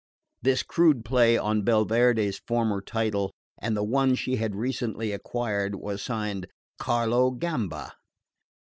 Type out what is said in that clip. This crude play on the Belverde's former title and the one she had recently acquired was signed "Carlo Gamba."